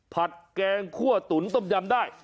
แกงคั่วตุ๋นต้มยำได้